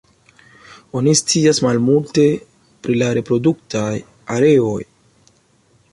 Oni scias malmulte pri la reproduktaj areoj.